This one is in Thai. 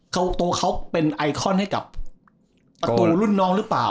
ตัวเขาเป็นไอคอนให้กับประตูรุ่นน้องหรือเปล่า